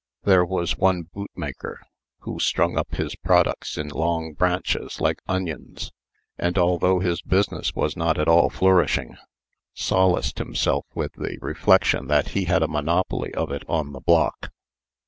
There was one boot maker, who strung up his products in long branches, like onions; and, although his business was not at all flourishing, solaced himself with the reflection that he had a monopoly of it on the block.